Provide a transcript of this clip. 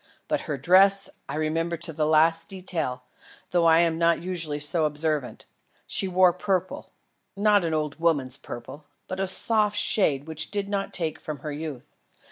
But her dress I remember to the last detail, though I am not usually so observant. She wore purple; not an old woman's purple, but a soft shade which did not take from her youth.